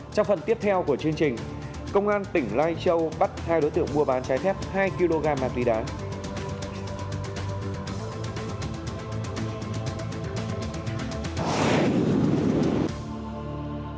trong phần tiếp theo của chương trình công an tỉnh lai châu bắt hai đối tượng mua bán trái thép hai kg mà tùy đáng